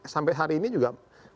sampai hari ini juga